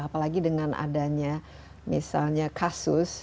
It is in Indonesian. apalagi dengan adanya misalnya kasus